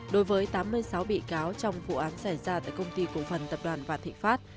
đối với tám mươi sáu bị cáo trong vụ án xảy ra tại công ty cổ phần tập đoàn vạn thị pháp